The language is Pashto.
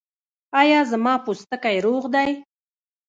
ایا زما پوټکی روغ دی؟